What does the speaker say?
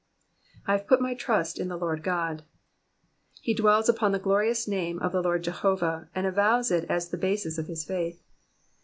/ have put my trust in the Lord Qod,^"* He dwells upon the glorious name of the Lord Jehovah, and avows it as the basis of his faith.